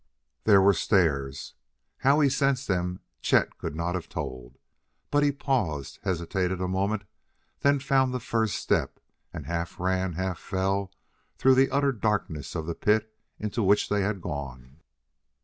There were stairs; how he sensed them Chet could not have told. But he paused, hesitated a moment, then found the first step and half ran, half fell, through the utter darkness of the pit into which they had gone.